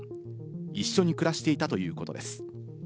一緒に暮らしていたということです。